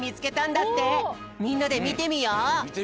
みんなでみてみよう！